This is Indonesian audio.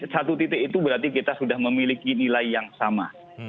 satu titik itu berarti kita sudah memiliki nilai yang sama